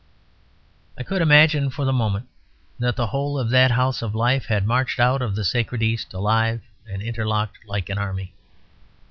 I could imagine for the moment that the whole of that house of life had marched out of the sacred East, alive and interlocked, like an army.